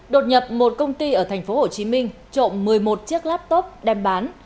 đột nhập một công ty ở tp hcm trộm một mươi một chiếc laptop đem bán